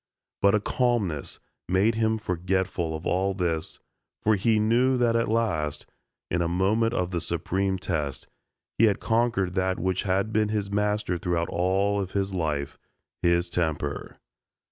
But a calmness made him forgetful of all this for he knew that at last, in a moment of the supreme test, he had conquered that which had been his master throughout all of his life his temper.